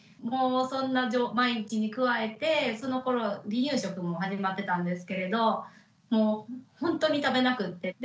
もうそんな毎日に加えてそのころ離乳食も始まってたんですけれどもうほんとに食べなくて。